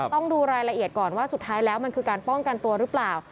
ต้องดูรายละเอียดก่อนว่าสุดท้ายแล้วมันคือการป้องกันตัวหรือเปล่า